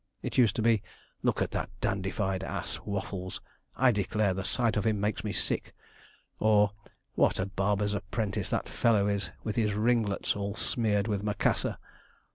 It used to be, 'Look at that dandified ass, Waffles, I declare the sight of him makes me sick'; or, 'What a barber's apprentice that fellow is, with his ringlets all smeared with Macassar.'